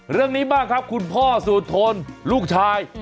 เรื่องนี้บ้างครับคุณพ่อสุธนลูกชาย